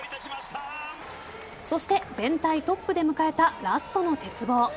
そして全体トップで迎えたラストの鉄棒。